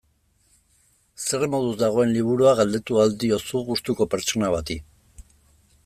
Zer moduz dagoen liburua galdetu ahal diozu gustuko pertsona bati.